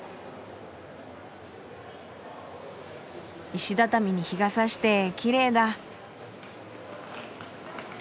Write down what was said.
石畳に日がさしてきれいだ。